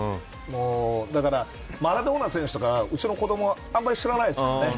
だからマラドーナ選手とかうちの子どもはあまり知らないですよね。